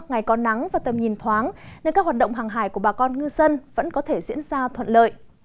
ngày có nắng và tầm nhìn thoáng nên các hoạt động hàng hải của bà con ngư dân vẫn có thể diễn ra thuận lợi